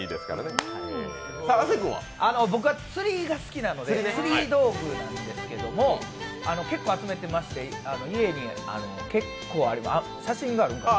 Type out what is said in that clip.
僕は釣りが好きなので釣り道具なんですけども、結構集めてまして、家に結構ありまして、写真があります。